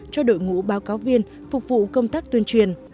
cho đội ngũ báo cáo viên phục vụ công tác tuyên truyền